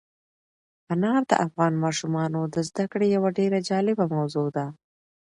انار د افغان ماشومانو د زده کړې یوه ډېره جالبه موضوع ده.